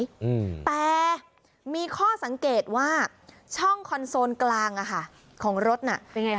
อืมแต่มีข้อสังเกตว่าช่องคอนโซนกลางอ่ะค่ะของรถน่ะเป็นไงคะ